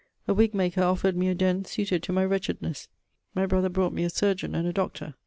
A wig maker offered me a den suited to my wretchedness. My brother brought me a surgeon and a doctor.